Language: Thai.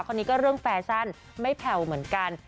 คนนี้ก็เรื่องแฟชั่นไม่แผ่วเหมือนกัน